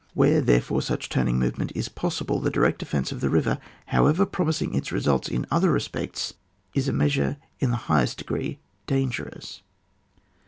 Where, therefore, such turning movement is possible, the direct defence of the river, however promising its results in other respects, is a measure in the highest degree dangerous.